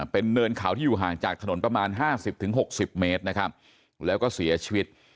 เป็นเนินเขาที่อยู่ห่างจากถนนประมาณ๕๐๖๐เมตรนะครับแล้วก็เสียชีวิต